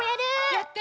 やって。